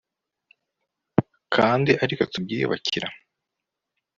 kandi ari twe tubyiyubakira